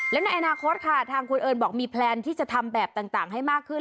และในอนาคตค่ะทางคุณเอิญบอกมีแพลนที่จะทำแบบต่างให้มากขึ้น